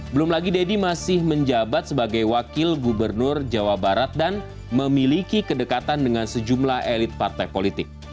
belum lagi deddy masih menjabat sebagai wakil gubernur jawa barat dan memiliki kedekatan dengan sejumlah elit partai politik